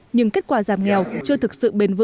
nhưng kết quả giảm nghèo chưa thực sự bền vững